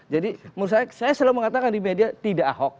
jadi menurut saya saya selalu mengatakan di media tidak ahok